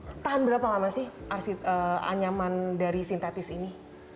ini tahan berapa lama sih anyaman dari sintetis ini